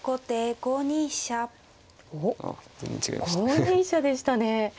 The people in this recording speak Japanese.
５二飛車でしたね。